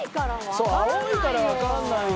そう青いからわからないよ。